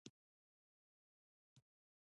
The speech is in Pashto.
د انجوګانو فنډ په بیسارې ډول زیات شوی.